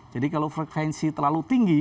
jadi kalau frekuensi terlalu tinggi